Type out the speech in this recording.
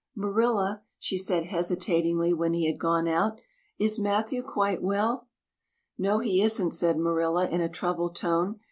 "Marilla," she said hesitatingly when he had gone out, "is Matthew quite well?" "No, he isn't," said Marilla in a troubled tone.